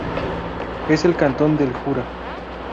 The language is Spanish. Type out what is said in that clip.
Es el Cantón del Jura.